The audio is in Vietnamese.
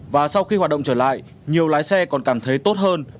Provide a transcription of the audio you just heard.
và sau khi hoạt động trở lại nhiều lái xe còn cảm thấy tốt hơn